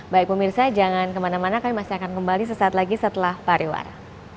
baik pemirsa jangan kemana mana kami masih akan kembali sesaat lagi setelah pariwara